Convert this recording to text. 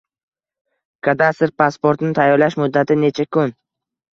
Kadastr pasportini tayyorlash muddati necha kun?